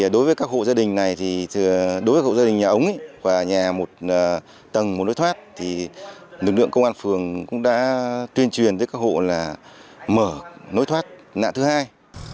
đối với các hộ gia đình này thì đối với hộ gia đình nhà ống và nhà một tầng một nối thoát thì lực lượng công an phường cũng đã tuyên truyền tới các hộ là mở nối thoát nạn thứ hai